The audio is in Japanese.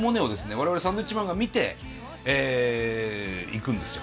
我々サンドウィッチマンが見ていくんですよ。